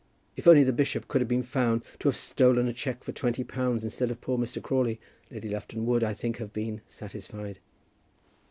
If only the bishop could have been found to have stolen a cheque for twenty pounds instead of poor Mr. Crawley, Lady Lufton would, I think, have been satisfied.